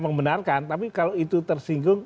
membenarkan tapi kalau itu tersinggung